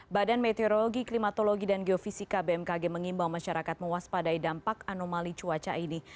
badan meteorologi klimatologi dan geofisika bmkg mengimbau masyarakat mewaspadai dampak anomali cuaca ini